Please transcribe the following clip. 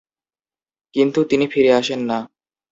কিন্তু তিনি ফিরে আসেন না।